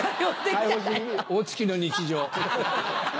大月の日常。